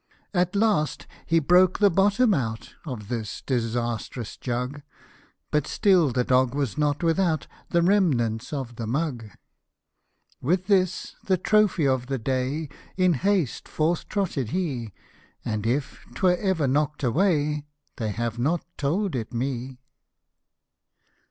At last, he broke the bottom out Of this disastrous jug ; But still the dog was not without The remnant of the mug. With this, the trophy of the day, In haste forth trotted he ; And, if 'twas ever knock'd away, They have not told it me.